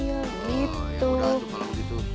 ya udah tuh kalau begitu